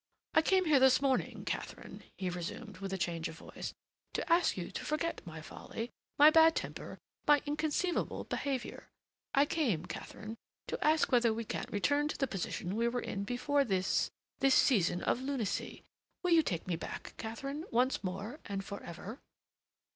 "I came here this morning, Katharine," he resumed, with a change of voice, "to ask you to forget my folly, my bad temper, my inconceivable behavior. I came, Katharine, to ask whether we can't return to the position we were in before this—this season of lunacy. Will you take me back, Katharine, once more and for ever?"